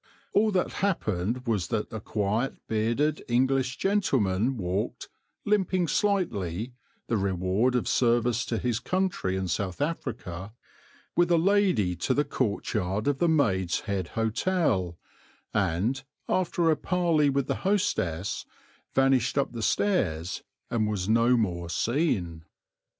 All that happened was that a quiet, bearded English gentleman walked, limping slightly (the reward of service to his country in South Africa), with a lady into the courtyard of the Maid's Head Hotel and, after a parley with the hostess, vanished up the stairs and was no more seen.